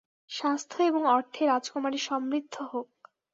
সাস্থ্য এবং অর্থে রাজকুমারী সমৃদ্ধ হোক।